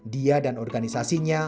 dia dan organisasinya